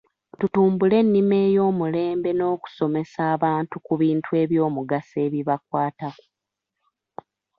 Tutumbule ennima ey'omulembe n'okusomesa abantu ku bintu ebyomugaso ebibakwatako